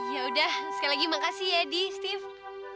yaudah sekali lagi makasih ya dee steve